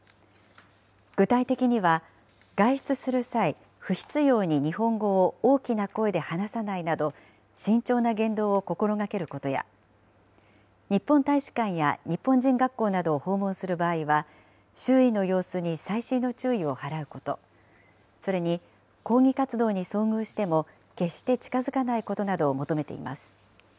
具体的には、外出する際、不必要に日本語を大きな声で話さないなど、慎重な言動を心がけることや、日本大使館や日本人学校などを訪問する場合は、周囲の様子に細心の注意を払うこと、それに、抗議活動に遭遇しても決して近づかないことなどを求めています。